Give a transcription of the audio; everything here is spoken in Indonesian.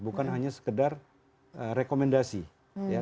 bukan hanya sekedar rekomendasi ya